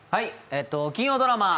金曜ドラマ「＃